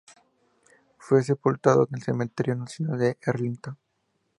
Fue sepultado en el Cementerio Nacional de Arlington.